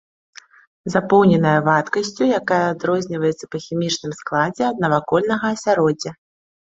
Запоўненая вадкасцю, якая адрозніваецца па хімічным складзе ад навакольнага асяроддзя.